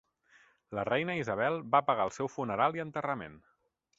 La reina Isabel va pagar el seu funeral i enterrament.